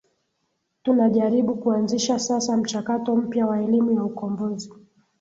tunajaribu kuanzisha sasa mchakato mpya wa elimu ya ukombozi